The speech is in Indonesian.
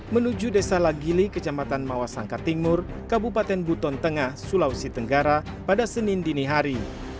menuju desa lagili kecamatan mawasangka timur kabupaten buton tengah sulawesi tenggara pada senin dini hari